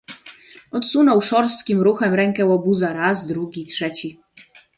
"Odsunął szorstkim ruchem rękę łobuza raz, drugi, trzeci."